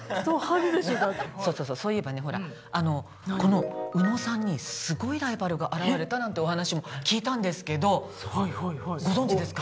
そうそうそうそういえばねほらこの宇野さんにすごいライバルが現れたなんてお話も聞いたんですけどご存じですか？